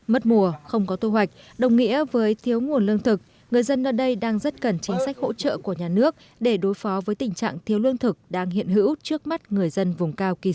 mất mùa không có thu hoạch đồng nghĩa với thiếu nguồn lương thực người dân ở đây đang rất cần chính sách hỗ trợ của nhà nước để đối phó với tình trạng thiếu lương thực đang hiện hữu trước mắt người dân vùng cao kỳ sơn